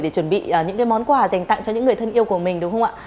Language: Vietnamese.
để chuẩn bị những món quà dành tặng cho những người thân yêu của mình đúng không ạ